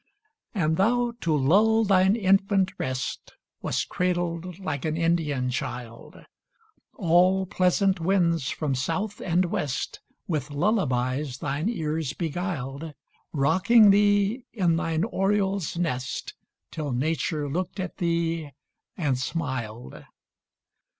And thou, to lull thine infant rest, Wast cradled like an Indian child; All pleasant winds from south and west With lullabies thine ears beguiled, Rocking thee in thine oriole's nest, Till Nature looked at thee and smiled.